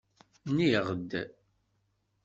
Nniɣ-d.